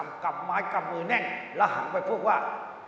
ไม่พูกสักคำกลำไม้กลำมือแน่งและห่างไปพูกว่า